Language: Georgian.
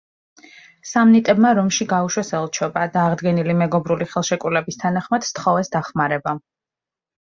სამნიტებმა რომში გაუშვეს ელჩობა, და აღდგენილი მეგობრული ხელშეკრულების თანახმად სთხოვეს დახმარება.